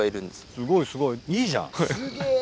すごいすごい。いいじゃん。